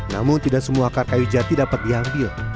namun tidak semua akar kayu jati dapat diambil